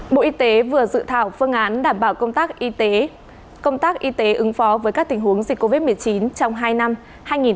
bộ y tế vừa dự thảo phương án đảm bảo công tác y tế ứng phó với các tình huống dịch covid một mươi chín